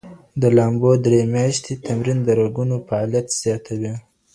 د لامبو درې میاشتې تمرین د رګونو فعالیت زیاتوي.